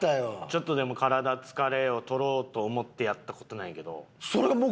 ちょっとでも体疲れを取ろうと思ってやった事なんやけど。